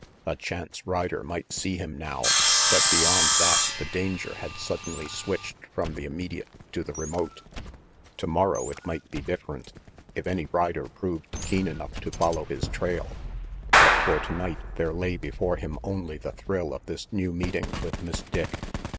A chance rider might see him now, but beyond that the danger had suddenly switched from the immediate to the remote. Tomorrow it might be different, if any rider proved keen enough to follow his trail; but for tonight there lay before him only the thrill of this new meeting with Miss Dick.